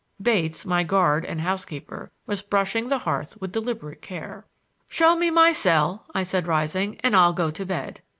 Bates, my guard and housekeeper, was brushing the hearth with deliberate care. "Show me my cell," I said, rising, "and I'll go to bed."